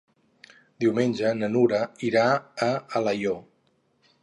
Diumenge na Nura irà a Alaior.